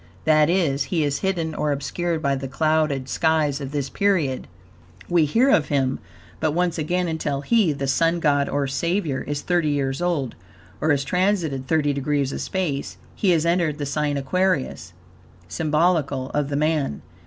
That is, he is hidden or obscured by the clouded skies of this period. We hear of him but once again until he, the Sun God, or Savior, is thirty years old, or has transited thirty degrees of space. He has entered the sign Aquarius (symbolical of the Man.)